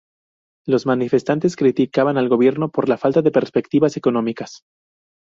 Los manifestantes criticaban al Gobierno por la falta de perspectivas económicas.